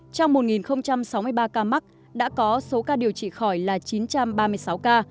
trong một sáu mươi ba ca mắc đã có số ca điều trị khỏi là chín trăm ba mươi sáu ca